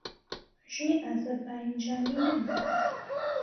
ژنی ئازەربایجانیی نەمابوو.